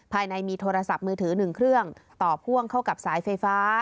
ภายในมีโทรศัพท์มือถือ๑เครื่องต่อพ่วงเข้ากับสายไฟฟ้า